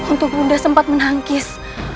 untuk ibu nia sempat menangkis